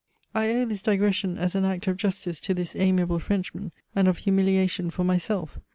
I owe this digression, as an act of justice to this amiable Frenchman, and of humiliation for myself.